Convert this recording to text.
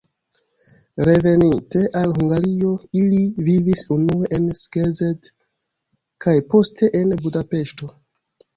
Reveninte al Hungario, ili vivis unue en Szeged kaj poste en Budapeŝto.